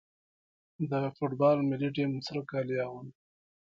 د فوټبال ملي ټیم سور کالي اغوندي.